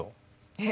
えっ？